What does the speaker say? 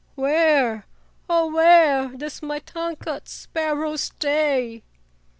Where, oh where, does my tongue cut sparrow stay!"